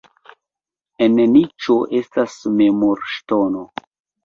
En niĉo estas memorŝtono.